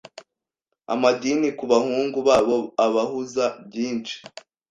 Amadini kubahungu ba bo abahuza byinshi